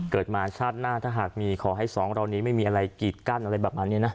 เกิดมาชาติหน้าถ้าหากมีขอให้สองเหล่านี้ไม่มีอะไรกีดกั้นอะไรประมาณนี้นะ